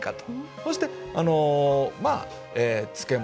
そしてまあ漬物。